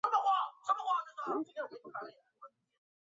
心里觉得有点凄凉